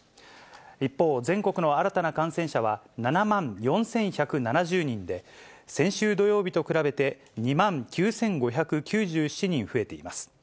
一方、全国の新たな感染者は７万４１７０人で、先週土曜日と比べて２万９５９７人増えています。